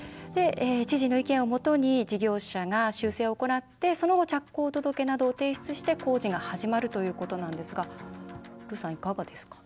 知事の意見をもとに事業者が修正を行って、その後着工届などを提出して、工事が始まるということなんですがルーさん、いかがですか？